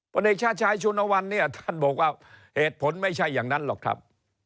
ผลเอกชาติชายชุนวันเนี่ยท่านบอกว่าเหตุผลไม่ใช่อย่างนั้นหรอกครับ